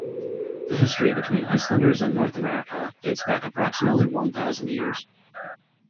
The history between Icelanders and North America dates back approximately one thousand years.